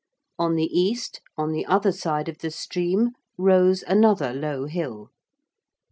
On the east on the other side of the stream rose another low hill.